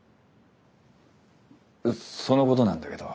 そのことなんだけど。